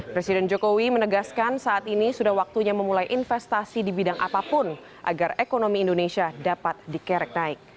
presiden jokowi menegaskan saat ini sudah waktunya memulai investasi di bidang apapun agar ekonomi indonesia dapat dikerek naik